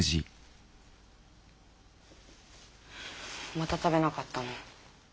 また食べなかったの？